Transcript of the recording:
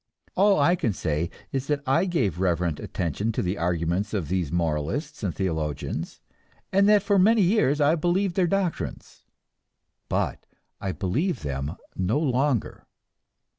All I can say is that I gave reverent attention to the arguments of these moralists and theologians, and that for many years I believed their doctrines; but I believe them no longer.